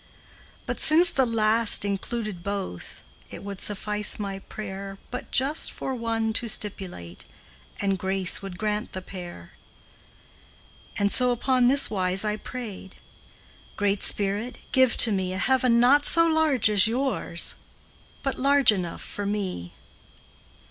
But since the last included both, It would suffice my prayer But just for one to stipulate, And grace would grant the pair. And so, upon this wise I prayed, Great Spirit, give to me A heaven not so large as yours, But large enough for me.